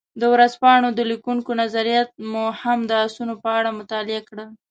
د ورځپاڼو د لیکونکو نظریات مو هم د اسونو په اړه مطالعه کړل.